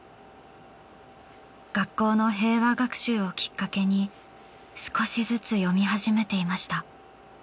学校の平和学習をきっかけに少しずつ読み始めていました。